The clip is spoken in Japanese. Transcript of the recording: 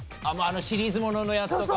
シリーズもののやつとかを？